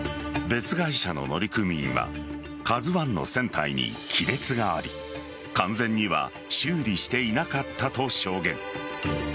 別会社の乗組員は「ＫＡＺＵ１」の船体に亀裂があり完全には修理していなかったと証言。